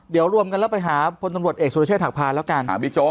เดี๋ยวรวมกันแล้วไปหาพลตำรวจเอกสุรเชษฐหักพานแล้วกัน